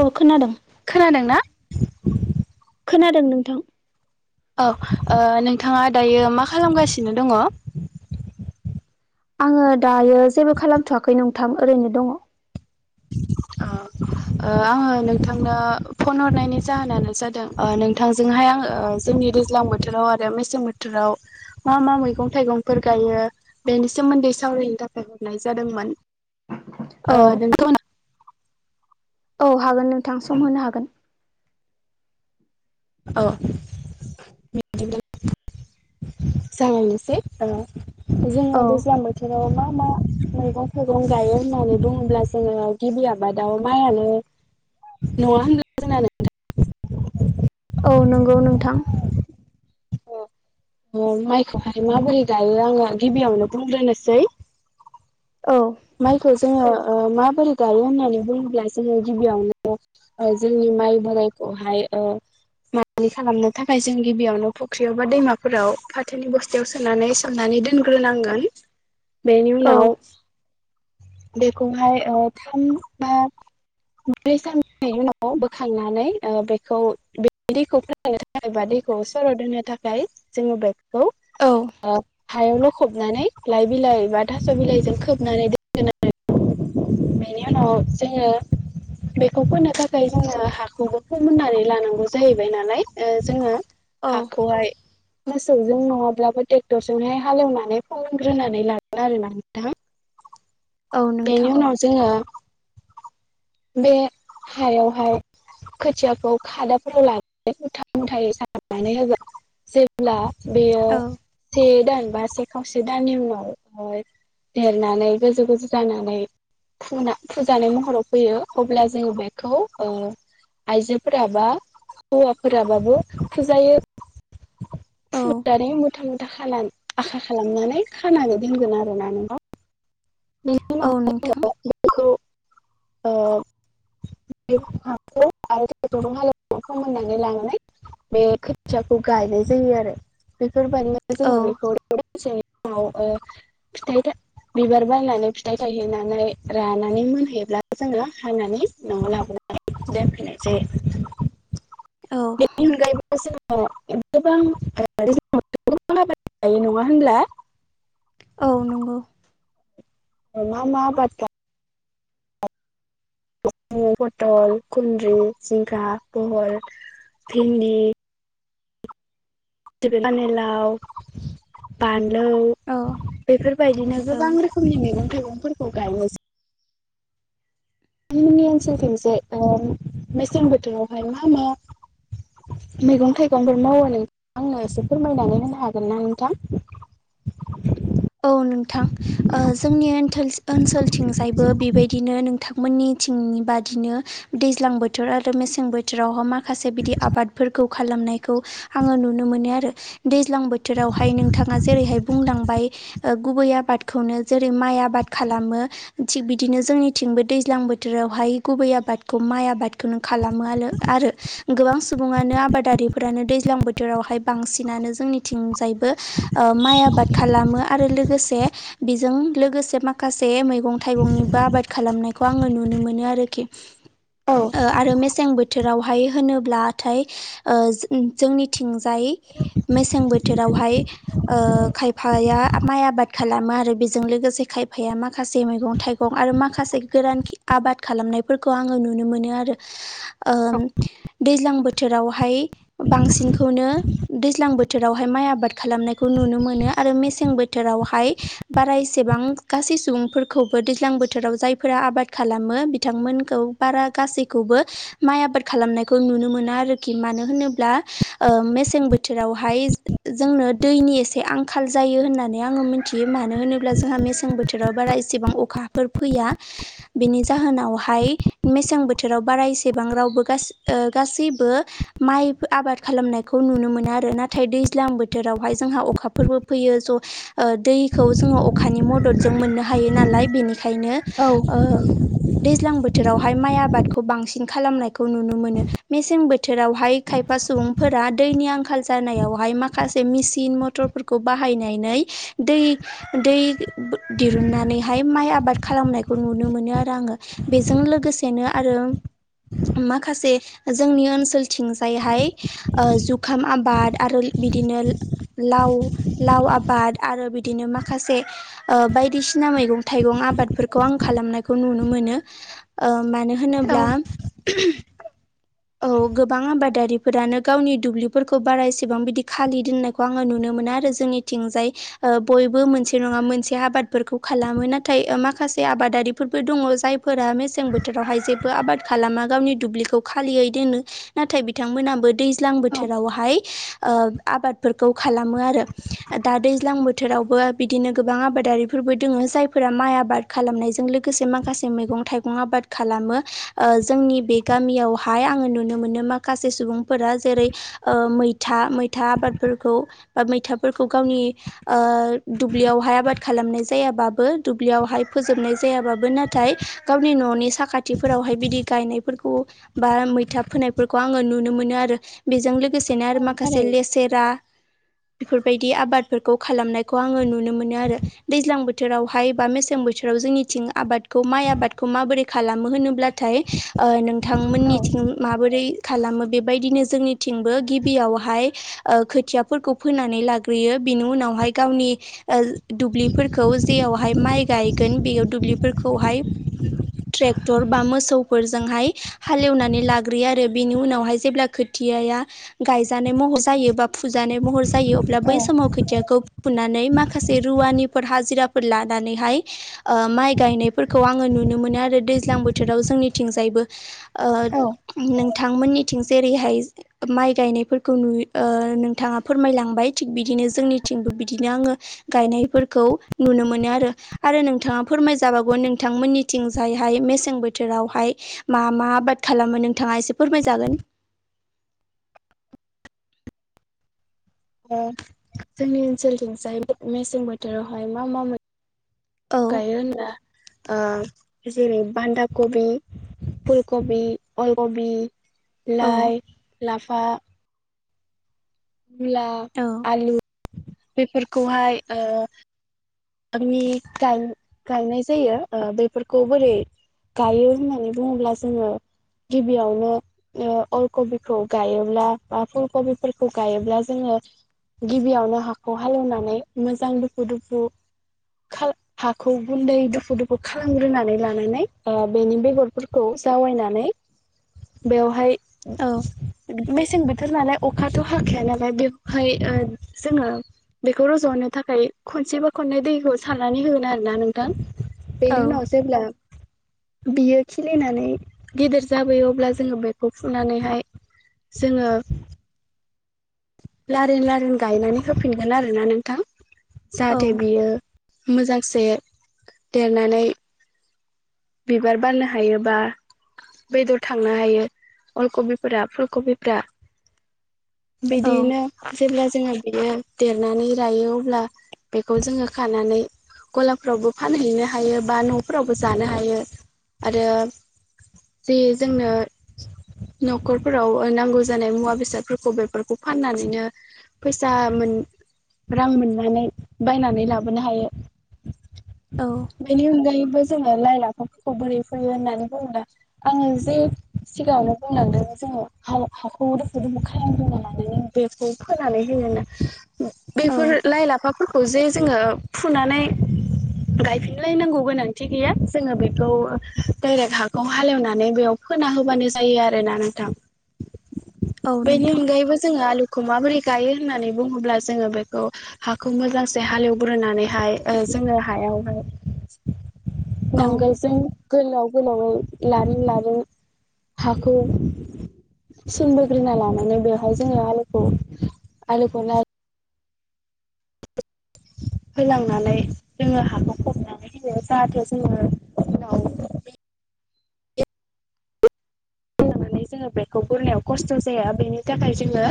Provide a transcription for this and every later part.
औ खोनादों। खोनादोंना खोनादों नोंथां। औ ओ नोंथाङा दायो मा खालामगासिनो दङ? आङो दायो जेबो खालामथवाखै नोंथां ओरैनो दङ। आ औ आङो नोंथांनो फन हरनायनि जाहोनानो जादों ओ नोंथांजोंहाय आङो जोंनि दैज्लां बोथोराव आरो मेसें बोथोराव मा मा मैगं थाइगंफोर गायो बेनि सोमोन्दै सावरायनो थाखाय हरनाय जादोंमोन। औ ओ नों औ हागोन नोंथां सम होनो हागोन। औ [unintelligible] जागायनोसै जोङो औ दैज्लां बोथोर मा मा मैगं थाइगं गायो होननानै बुङोब्ला जोङो गिबि आबादाव माइयानो नङा होनब्ला जोंना नोंथां औ नंगौ नोंथां। अ माइखौहाय माबोरै गायो आङो गिबियावनो बुंग्रोनोसै। औ माइखौ जोङो ओ माबोरै गायो होननानै बुङोब्ला जोङो गिबियावनो जोंनि माइ बोरायखौहाय ओ माइज्लि खालामनो थाखाय जों गिबियावनो फुख्रियाव बा दैमाफोराव फाथोनि बस्थायाव सोनानै सोमनानै दोनग्रोनांगोन बेनि औ उनाव बेखौहाय ओ थाम बा ब्रै साननि उनाव बोखांनानै ओ बेखौ बे दैखौ फोराननो थाखाय बा दै सलद होनो थाखाय जोङो बे औ हायाव लखबनानै लाइ बिलाइ बा थास' बिलाइजों खोबनानै बेनि उनाव जोङो बेखौ फोननो थाखाय जोङो हाखौबो फोमोननानै लानांगौ जाहैबाय नालाय जोङो औ हाखौहाय मोसौजों नङाब्लाबो ट्रेक्टरजोंहाय हालेवनानै फोंग्रोनानै लागोन आरो ना नोंथां औ बेनि नोंथां उनाव जोङो बे हायावहाय खोथियाखौ खादाफोराव लानानै मुथा मुथायै सारनानै होगोन जेब्ला बेयो औ थे दान बा से खावसे दाननि उनाव देरनानै गोजौ गोजौ जानानै फचना फुजानाय महराव फैयो अब्ला जोङो बेखौ ओ आइजोफोरा बा हौवाफोराबाबो फुजायो औ फुनानै मुथा मु था खानान आखा खालामनानै खानो दोनगोन आरोना नोंथां बेनि औ उनाव नोंथां बेखौ ओ [unintelligible] फोमोननानै लानानै बे खोथियाखौ गायनाय जायो आरो बेफोरबायदिनो औ जोङो बेखौ [unintelligible] फिथाय था बिबार बायनानै फिथाइ थायहोनानै रानानै मोनहोयोब्ला जोङो हानानै न'आव लाबोनानै दोनफैनाय जायो औ बेनि अनगायैबो जोङो [unintelligible] नङा होनब्ला औ नंगौ ओ मा मा आबाद गा [unintelligible] पथल खुन्द्रिं जिंगा बहल भिन्दी [unintelligible] फानिलाव बान लौ औ बेफोरबायदिनो औ गोबां रोखोमनि मैगं थाइगंफोरखौ गायो जो थांमोननि ओनसोलथिंसो ओ मेसें बोथोरावहाय मा मा मैगं थाइगंफोर मावो नों आंनो एसे फोरमायनानै होनो हागोन ना नोंथां [inaudible] औ नोंथां ओ जोंनि ओनथोल मोननिथिंनि बादिनो दैज्लां बोथोर आरो मेसें बोथोरावहा मा खासे बिदि आबादफोरखौ खालामनायखौ आङो नुनो मोनो आरो दैज्लां बोथोरावहाय नोंथाङा जेरैहाय बुंलांबाय ओ गुबै आबादखौनो जेरै माइ आबाद खालामो थिग बिदिनो जोंनिथिंबो दैज्लां बो बोथोरावहाय गुबै आबादखौ माइ आबादखौनो खालामो आलो आरो गोबां सुबुङानो आबादारिफोरानो दैज्लां बोथोरावहाय बांसिनानो जोंनिथिंजायबो ओ माइ आबाद खालामो आरो लोगोसे बेजों लोगोसे माखासे मैगं थाइगंनिबो आबाद खालामनायखौ आङो नुनो नो मोनो आरोखि औ ओ आरो मेसें बोथोराव हाय होनोब्लाथाय ओ जो जोंनिथिंजाय मेसें बो थोरावहाय ओ खायफाया माइ आबाद खालामो आरो बेजों लोगोसे खायफाया माखासे मैगं थाइगं आरो माखासे गोरान खि आ बाद खालामनायफोरखौ आङो नुनो मोनो आरो ओम दैज्लां बोथोरावहाय बांसिनखौनो दैज्लां बोथोरावहाय माइ आबाद खालामनायखौ नु नुनो मोनो आरो मेसेंबो थोरावहाय बारा एसेबां गासै सुबुंफोरखौबो दैज्लां बोथोराव जायफोरा आबाद खालामो मो बिथांमोनखौ बारा गासैखौबो माइ आबाद खालामनायखौ नुनो मोना आरोखि मानो होनो ब्ला ओ मेसें बोथोरावहाय जोंनो दैनि एसे आंखाल जायो होननानै नै आङो मिनथियो मानो होनोब्ला जोंहा मेसें बोथोराव बारा इसेबां अखाफोर फैया बिनि जा जाहोनावहाय मेसें बोथोराव बारा एसेबां रावबो गास ओ गासैबो माइ आबाद खालामनायखौ नुनो मोनो आरो नाथाय दैज्लां बोथोरावहाय जोंहा अखाफोरबो फैयो ज' ओ दैखौ जोङो अखानि मददजों मोननो हायो नालाय बेनि खायनो औ ओ दैज्लां बोथोरावहाय माइ आबाद खौ बांसिन खालामनायखौ नुनो मोनो मेसें बोथोरावहाय खायफा सुबुंफोरा दैनि आंखाल जानायावहाय माखासे मिसिन मथरफोरखौ बाहायनायनै दै दै बो दिरुननानैहाय माइ आबाद खालामनायखौ नुनो मोनो आरो आं। ओ बेजों लोगोसेनो आरो माखासे जोंनि ओनसोलथिंजायहाय ओ जुखाम आबाद आरोल बिदिनो लाव लाव आ बाद आरो बिदिनो माखासे ओ बायदिसिना मैगं थाइगं आबादफोरखौ आं खालामनायखौ नु नुनो मोनो। ओ मानो होनोब्ला औ [unintelligible] औ [inaudible] गोबां आबादारिफोरानो गावनि दुब्लिफोरखौ बारा एसेबां बिदि खालि दोननायखौ आङो नुनो मोनो आरो जोंनि थिंजाय ओ बयबो मोनसे नङा मोनसे आबादफोरखौ खालामो नाथाय ओ माखा से आबादारिफोरबो दङ जायफोरा मेसें बोथोरावहाय जेबो आबाद खालामा गावनि दुब्लिखौ खाालियै दोनो नाथाय बिथांमोनाबो दैज्लां औ बोथोरावहाय ओ आबादफोरखौ खालामो आरो। दा दैज्लां बोथोरावबो बिदिनो गोबां आबादारिफोरबो दोङो जायफोरा माइ आबाद खालामनायजों लोगो गोसे माखासे मैगं थाइगं आबाद खालामो ओ जोंनि बे गामियावहाय आङो नुनो मोनो माखासे सुबुंफोरा जेरै ओ मैथा मैथा आबादफोरखौ बा मैथाफोर खौ गावनि ओ दुब्लियावहाय आबाद खालामनाय जायाबाबो दुब्लियावहाय फोजोबनाय जायाबाबो नाथाय गावनि न'नि साखाथिफोरावहाय बिदि गायनायफोरखौ बा मैथा फोनायफोरखौ आङो नुनो मोनो आरो बेजों लो गोसेनो औ आरो माखासे थारैनो लेसेरा बेफोर आबादफोरखौ खालामनायखौ आङो नुनो मोनो आरो दैज्लां बोथोरावहाय बा मेसें बोथोराव जोंनिथिं आ बादखौ माइ आबादखौ माबोरै खालामो होनोब्लाथाय ओ औ नोंथांमोननिथिं माबोरै खालामो बेबायदिनो जोंनिथिंबो गिबियावहाय ओ खोथियाफोरखौ फोनानै लाग ग्रोयो। बिनि उनावहाय गावनि ओ दुब्लि फोरखौ जेरावहाय माइ गायगोन बेयाव दु ब्लिफोरखौहाय ट्रेक्टर बा मोसौफोरजोंहाय हालेवनानै लाग्रोयो आरो बेनि उनावहाय जेब्ला खोथ थियाया गायजानाय महर जायो बा फुजानाय महर जायो अब्ला औ बै समाव खोथियाखौ फुनानै माखासे रुवानिफोर हाजिराफोर लानानैहाय ओ माइ गायनायफोरखौ आङो नु नुनो मोनो आरो दैज्लां बोथोराव जोंनिथिंजायबो ओ औ नों थांमोननिथिं जेरैहाय माइ गायनायफोरखौ नुय नोंथाङा फोरमायलांबाय। थिग बिदिनो जोंनिथिंबो बिदिनो आङो गायनायफोरखौ नुनो मोनो आरो आरो नोंथाङा फो फोरमाय जाबावगौ नोंथांमोननिथिंजायहाय मेसें बोथोरावहाय मा मा आबाद खालामो नोंथाङा एसे फोरमायजागोन। [inaudible] ओ जोंनि ओनसोलथिं जाय मेसें बोथोरावहाय मा मा मोन औ गायो होनब्ला ओ जेरै बान्दा कबि फुलकबि अलकबि औ लाइ लाफा मुला औ आलु बेफोरखौहाय ओ आंनि गाय गायनाय जायो ओ बेफोरखौ बोरै गायो होननानै बुङोब्ला जोङो गिबियावनो ओ अलकबिखौ गायोब्ला बा फुल कबिफोरखौ गायोब्ला जोङो गिबियावनो हाखौ हालोवनानै मोजां दुफु दुफु हाखौ गुन्दै दुफु दुफु खालामग्रोनानै लानानै बेनि बेगरफोरखौ जावाय नानै बेयावहाय औ गोजां बोथोर नालाय अखाथ' हाखाया नालाय बेवहाय जोङो बेखौ रज'नो थाखाय खनसेबो खनै दैखौ सारनानै होगोन आरोना नोंथां औ बेनि उनाव जेब्ला बियो खिलिनानै गिदिर जाबोयो अब्ला जोङो बेखौ फुनानैहाय जोङो लारिन लारिन गायनानै होफिनगोन आरोना नोंथां औ जाहाथे बियो मोजांसे देरनानै बिबार बारनो हायोबा बेदर थांनो हायो अलखबिफोरा फुलकबिफ्रा औ बिदिनो जेब्ला जोङो बेयो देरनानै रायो अब्ला बेखौ जोङो खानानै गलाफ्रावबो फानहैनो हायो बा न'फोरावबो जानो हायो आरो जे जोंनो न'खरफोराव नांगौ जानाय मुवा बेसादफोरखौ बेफोरखौ फाननानैनो फैसा मोन रां मोननानै बायनानै लाबोनो हायो औ बेनि अनगायैबो जोङो लाइ लाफाफोरखौ बोरै फैयो होननानै बुङोब्ला आङो जे सिगाङावनो बुंलांदों जोङो हा हाखौ दुखु दुफु खालामग्रोना लानानै बेखौ फोनानै हो औ बेफोर लाइ लाफाफोर खौ जे जोङो फुनानै गायफिनलायनांगौ गोनांथि गैया जोङो बेखौ डाइरेक्ट हाखौ हालेवनानै बेयाव फोना होबानो जायो आरोना नोंथां औ बेनि नोंथां अनगायैबो जोङो आलु खौ माबोरै गायो होननानै बुङोब्ला जोङो बेखौ हाखौ मोजांसे हालेवग्रोनानैहाय ओ जोङो हायावहाय औ नांगोलजों गोलाव गोलावै लारि लारि हाखौ सिन बोग्रोना लानानै बेवहाय जोङो आलुखौ आलुखौ नार होलांनानै जोङो हाखौ फबनानै होयो जाहाथे जोङो उनाव [unintelligible] बेखौ जोङो बुरनायाव खस्थ' जाया बेनि थाखाय जोङो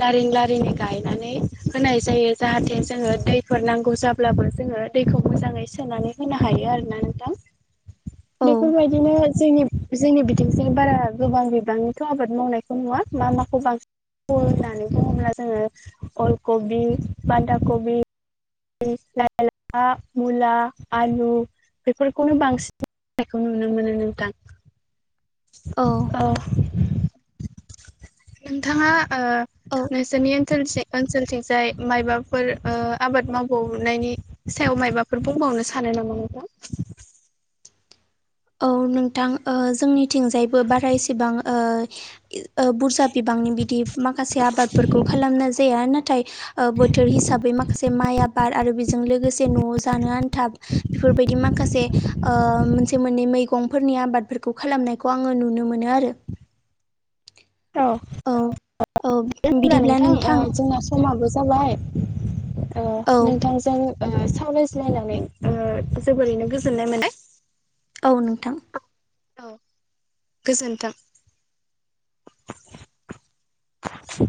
लारि लारिनो गायनानै होनाय जायो जाहाथे जोङो दैफोर नांगौ जाब्लाबो जोङो दैखौ मोजाङै सोनानै होनो हायो आरो दोंना नोंथां औ बेफोरबायदिनो जोंनि जोंनि बिथिंजों बारा गोबां बिबांनिथ' आबाद मावनायखौ नुवा मा माखौ बांसि न होननानै बुङोब्ला जोङो अल कबि बान्दा कबि लाइ लाफा मुला आलु बेफोरखौनो बांसिन मावनायखौ नुनो मोनो नोंथां औ नोंथाङा ओ औ नोंसोरनि ओनसोलसे ओनसोल थिंजाय मायबाफोर आबाद मावबावनायनि सायाव मायबाफोर बुंबावनो सानो नामा नोंथां औ नोंथां ओ जोंनिथिंजायबो बारायसेबां ओ ओ बुरजा बिबांनि बिदि माखासे आबादफोरखौ खालामनाय जाया नाथाय ओ बोथोर हिसाबै माखासे माइ आबाद आरो बेजों लोगोसे न'आव जानो आनथाब बेफोरबाय दि माखासे ओ मोनसे मोननै मैगं फोरनि आबादफोरखौ खालामनायखौ आङो नुनो मोनो आरो औ औ [unintelligible] औ होनब्ला बिदिब्ला नोंथां जोंना समाबो जाबाय ओ औ नोंथांजों ओ सा वरायज्लायनानै नायनानै ओ जोबोरैनो गोजोननाय मोनबाय औ नोंथां औ गोजोन्थों [unintelligible]